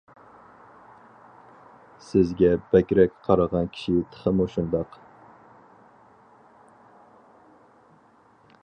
سىزگە بەكرەك قارىغان كىشى تېخىمۇ شۇنداق.